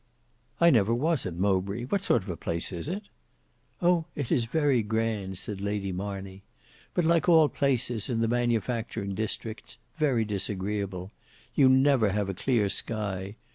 "I never was at Mowbray. What sort of a place is it?" "Oh! it is very grand," said Lady Marney; "but like all places in the manufacturing districts, very disagreeable. You never have a clear sky.